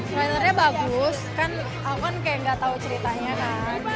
sebenarnya bagus kan aku kan kayak gak tahu ceritanya kan